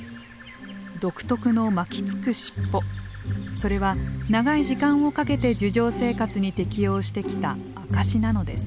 それは長い時間をかけて樹上生活に適応してきた証しなのです。